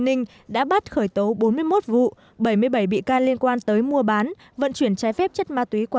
ninh đã bắt khởi tố bốn mươi một vụ bảy mươi bảy bị can liên quan tới mua bán vận chuyển trái phép chất ma túy qua